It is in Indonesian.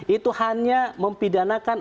itu hanya mempidanakan